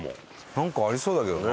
なんかありそうだけどな。